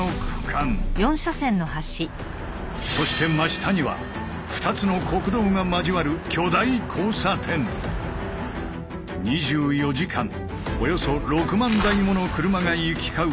そして真下には２つの国道が交わる２４時間およそ６万台もの車が行き交う